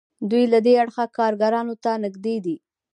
دوی له دې اړخه کارګرانو ته نږدې دي.